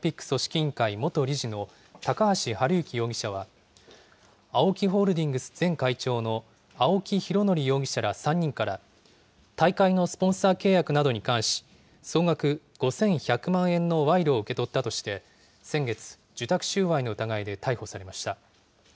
委員会元理事の高橋治之容疑者は、ＡＯＫＩホールディングス前会長の青木拡憲容疑者ら３人から、大会のスポンサー契約などに関し、総額５１００万円の賄賂を受け取ったとして、先月、受託収賄の疑いで逮捕されました。